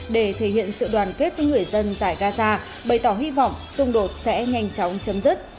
để thể hiện sự đoàn kết với người dân giải gaza bày tỏ hy vọng xung đột sẽ nhanh chóng chấm dứt